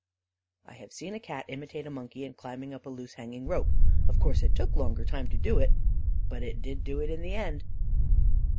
"I have seen a Cat imitate a monkey in climbing up a loose hanging rope. Of course it took a longer time to do it, but it did do it in the end."